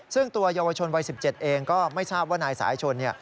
ซึ่งตัวเยาวชนวัย๑๗เองก็ไม่ทราบว่านายสายชน